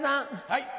はい。